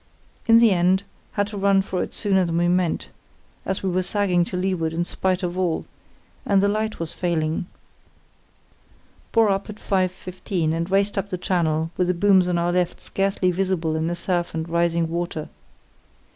In the end had to run for it sooner than we meant, as we were sagging to leeward in spite of all, and the light was failing. Bore up at 5.15, and raced up the channel with the booms on our left scarcely visible in the surf and rising water.